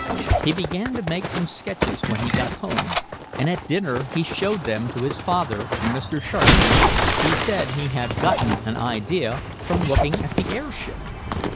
He began to make some sketches when he got home, and at dinner he showed them to his father and Mr. Sharp. He said he had gotten an idea from looking at the airship.